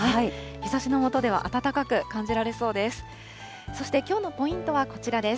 日ざしの下では、暖かく感じられそうです。